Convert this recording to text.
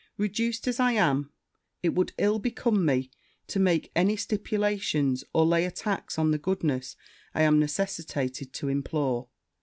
Reduced as I am, it would ill become me to make any stipulations, or lay a tax on the goodness I am necessitated to implore.